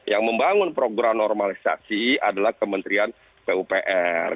yang membangun program normalisasi adalah kementerian pupr